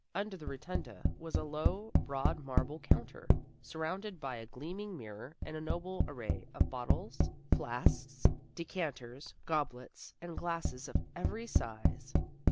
Under the rotunda was a low, broad marble counter, surmounted by a gleaming mirror and a noble array of bottles, flasks, decanters, goblets and glasses of every size.